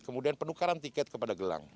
kemudian penukaran tiket kepada gelang